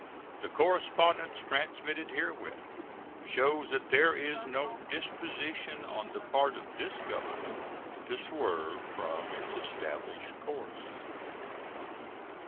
The correspondence transmitted herewith shows that there is no disposition on the part of this Government to swerve from its established course.